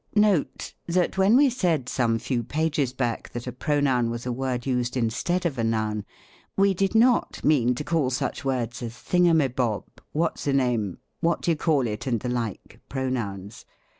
Note. — That when we said, some few pages back, that a pronoun was a word used instead of a noun, v/e did not mean to call such words as thingumibob, what siname, what d'ye call it, and the like, pronouns.